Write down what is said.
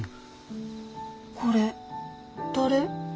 これ誰？